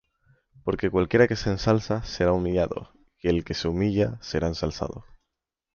Porque cualquiera que se ensalza, será humillado; y el que se humilla, será ensalzado.